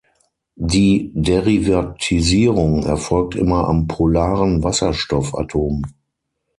Die Derivatisierung erfolgt immer am polaren Wasserstoff-Atom.